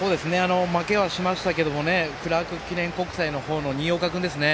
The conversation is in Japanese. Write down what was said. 負けはしましたけどもクラーク記念国際の方の新岡君ですね